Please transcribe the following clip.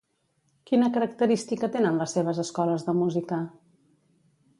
Quina característica tenen les seves escoles de música?